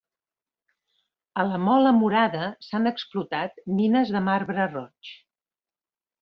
A la Mola Murada s'han explotat mines de marbre roig.